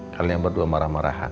kalian berdua marah marahan